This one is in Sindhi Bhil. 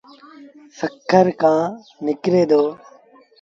سکر کآݩ نڪري دو۔